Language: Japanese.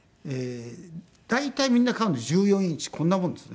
大体みんな買うの１４インチこんなもんですね。